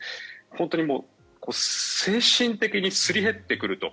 本当に精神的にすり減ってくると。